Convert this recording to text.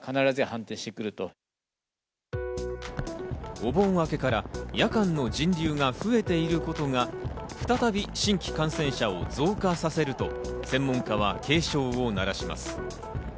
お盆明けから夜間の人流が増えていることが再び新規感染者を増加させると専門家は警鐘を鳴らします。